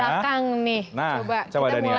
di belakang nih coba